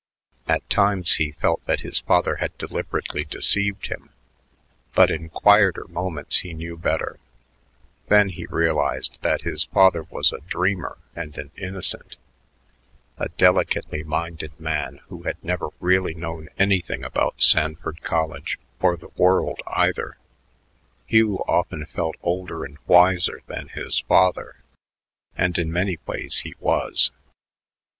At times he felt that his father had deliberately deceived him, but in quieter moments he knew better; then he realized that his father was a dreamer and an innocent, a delicately minded man who had never really known anything about Sanford College or the world either. Hugh often felt older and wiser than his father; and in many ways he was.